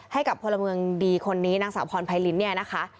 ให้กับพลเมืองดีคนนี้นางสาวพรไพรินเนี่ยนะคะ